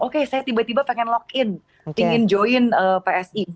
oke saya tiba tiba pengen login ingin join psi